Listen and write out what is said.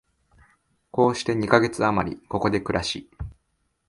こうして二カ月あまり、ここで暮らし、